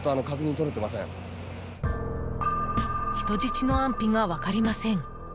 人質の安否が分かりません。